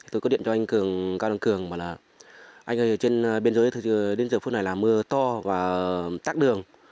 tôi có điện cho anh cường cao đăng cường bảo là anh ở trên biên giới thì đến giờ phút này là mưa to và tắt đường